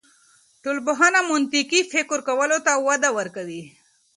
ټولنپوهنه منطقي فکر کولو ته وده ورکوي.